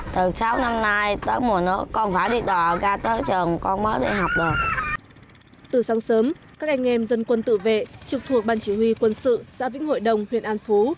từ sáng sớm các anh em dân quân tự vệ trực thuộc ban chỉ huy quân sự xã vĩnh hội đồng huyện an phú